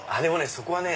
そこはね